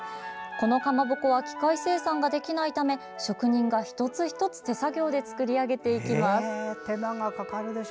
このかまぼこは機械生産ができないため職人が一つ一つ手作業で作り上げていきます。